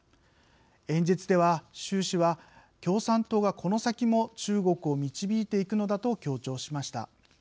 演説では習氏は共産党はこの先も中国を導いていくのだと強調しました。